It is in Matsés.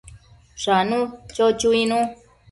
Shanu, cho chuinu